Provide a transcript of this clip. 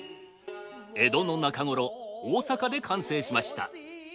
江戸の中頃大阪で完成しました。